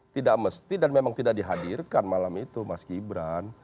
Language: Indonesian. tidak mesti dan memang tidak dihadirkan malam itu mas gibran